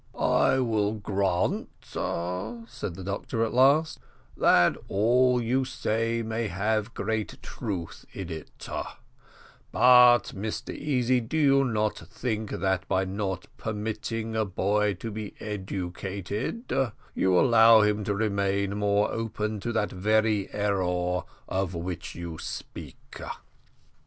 "I will grant," said the doctor at last, "that all you say may have great truth in it; but, Mr Easy, do you not think that by not permitting a boy to be educated, you allow him to remain more open to that very error of which you speak?